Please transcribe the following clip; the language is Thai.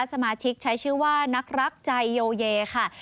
สมาชิกใช้ชื่อว่านักรักใจโยเยค่ะ